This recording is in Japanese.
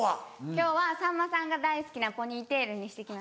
今日はさんまさんが大好きなポニーテールにして来ました。